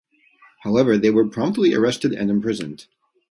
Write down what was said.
However, they were promptly arrested and imprisoned.